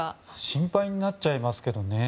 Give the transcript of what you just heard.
心配になっちゃいますけどね。